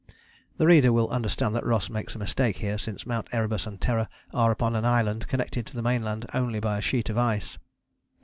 The reader will understand that Ross makes a mistake here, since Mounts Erebus and Terror are upon an island connected to the mainland only by a sheet of ice.